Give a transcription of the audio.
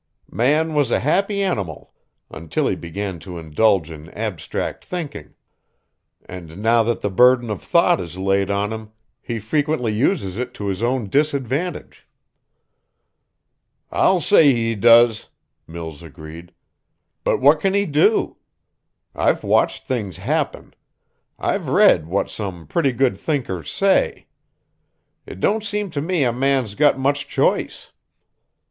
Man was a happy animal until he began to indulge in abstract thinking. And now that the burden of thought is laid on him, he frequently uses it to his own disadvantage." "I'll say he does," Mills agreed. "But what can he do? I've watched things happen. I've read what some pretty good thinkers say. It don't seem to me a man's got much choice.